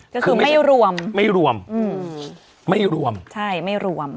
ก็คือไม่รวมไม่รวมไม่รวมใช่ไม่รวม